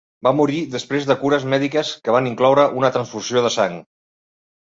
Va morir després de cures mèdiques que van incloure una transfusió de sang.